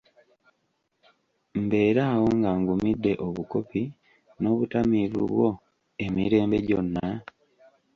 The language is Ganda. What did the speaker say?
Mbeere awo nga ngumidde obukopi n’obutamiivu bwo emirembe gyonna?